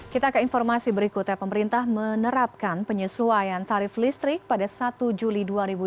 kita ke informasi berikutnya pemerintah menerapkan penyesuaian tarif listrik pada satu juli dua ribu dua puluh